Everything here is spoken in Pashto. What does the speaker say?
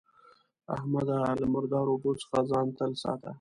احمده! له مردارو اوبو څخه تل ځان ساته.